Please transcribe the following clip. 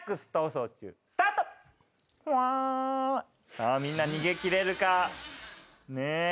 さあみんな逃げ切れるか？